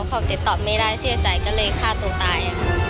พอติดต่อไม่ได้เสียใจก็เลยฆ่าตัวตาย